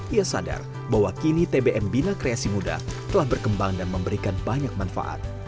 ia sadar bahwa kini tbm bina kreasi muda telah berkembang dan memberikan banyak manfaat